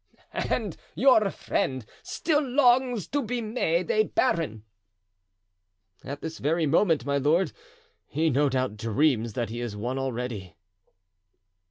"And your friend still longs to be made a baron?" "At this very moment, my lord, he no doubt dreams that he is one already."